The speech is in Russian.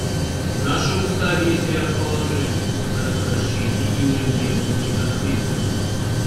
В нашем Уставе есть ряд положений о предотвращении и урегулировании конфликтов.